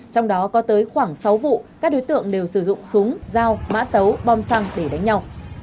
trong đó có tới khoảng sáu vụ các đối tượng đều sử dụng súng dao mã tấu bom xăng để đánh nhau